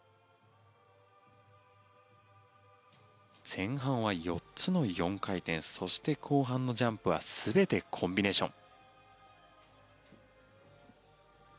前半は４つの４回転そして、後半のジャンプは全てコンビネーション。